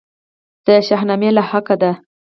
د شاهنامې لاحقه ده.